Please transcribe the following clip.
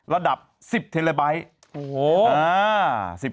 ระดับ๑๐เทเลไบท์